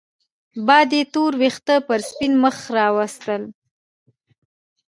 باد يې تور وېښته پر سپين مخ راوستل